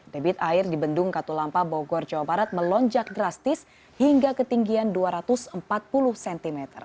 debit air di bendung katulampa bogor jawa barat melonjak drastis hingga ketinggian dua ratus empat puluh cm